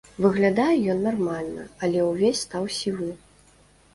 Выглядае ён нармальна, але ўвесь стаў сівы.